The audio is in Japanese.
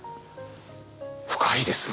深いですね。